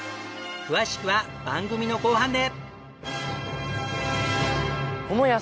詳しくは番組の後半で！